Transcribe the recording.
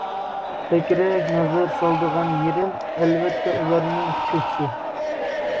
بەكرەك نەزەر سالىدىغان يېرىم ئەلۋەتتە ئۇلارنىڭ كۆكسى.